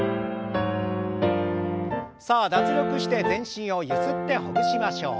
さあ脱力して全身をゆすってほぐしましょう。